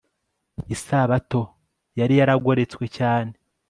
Isabato yari yaragoretswe cyane